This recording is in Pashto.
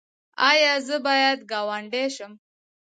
ایا زه باید ګاونډی شم؟